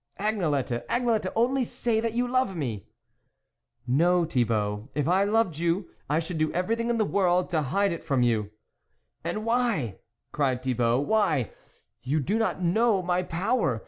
" Agnelette, Agnelette ! only say that you love me !"" No, Thibault, if I loved you, I should do everything in the world to hide it from you." " And why ?" cried Thibault. " Why ? you do not know my power.